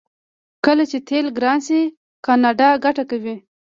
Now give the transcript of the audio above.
کله چې تیل ګران شي کاناډا ګټه کوي.